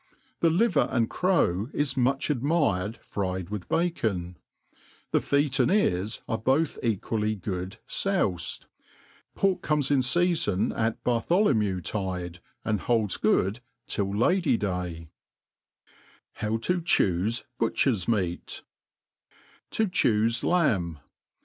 The liver and crov is much ad« mired fried with bacon; the feet and earl are both eduafly good foufed. Pork comes in (eafen at B^rtholomew tide, 9M holds gQQ4 ^ill Lady*day, How to^lMife BUTCHERS MEAT, To chufi Lamb.